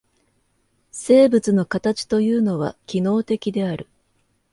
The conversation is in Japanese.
生物の形というのは機能的である。